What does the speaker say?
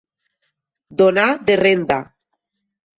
Donar de renda.